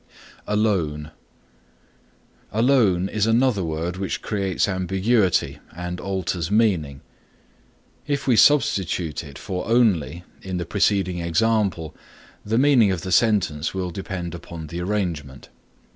ALONE is another word which creates ambiguity and alters meaning. If we substitute it for only in the preceding example the meaning of the sentence will depend upon the arrangement.